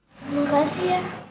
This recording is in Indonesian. terima kasih ya